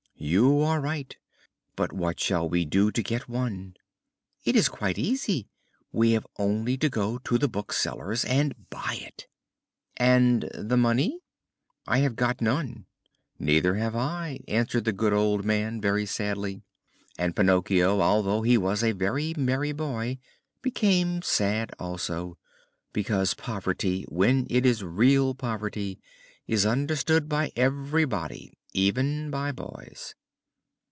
"You are right: but what shall we do to get one?" "It is quite easy. We have only to go to the bookseller's and buy it." "And the money?" "I have got none." "Neither have I," added the good old man, very sadly. And Pinocchio, although he was a very merry boy, became sad also, because poverty, when it is real poverty, is understood by everybody even by boys.